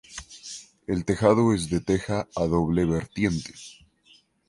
El tejado es de teja a doble vertiente.